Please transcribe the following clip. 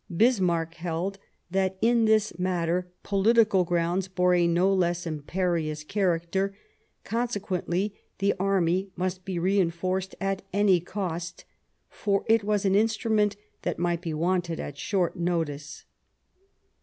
Bismarck held that in this matter political grounds bore a no less imperious character ; consequently, the army must be rein forced at any cost, for it was an instrument that might be wanted at short notice.